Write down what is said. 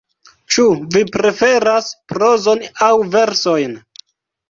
Ĉu vi preferas prozon aŭ versojn?